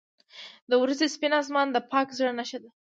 • د ورځې سپین آسمان د پاک زړه نښه ده.